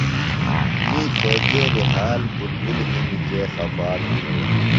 می کھوجیلیۡ حال بُلبُل ہِنیۡ کے خفا توۡ۔